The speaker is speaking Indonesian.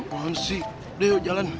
masih udah yuk jalan